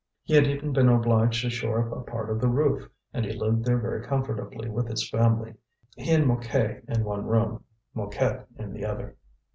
He had even been obliged to shore up a part of the roof, and he lived there very comfortably with his family, he and Mouquet in one room, Mouquette in the other.